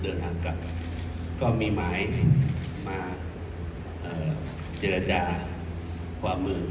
เดินทางกลับก็มีหมายมาเจรจาขวามือ